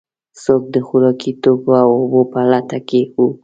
څوک د خوراکي توکو او اوبو په لټه کې و.